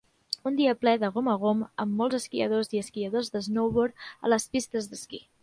Un dia ple de gom a gom amb molts esquiadors i esquiadors d'snowboard a les pistes d'esquí.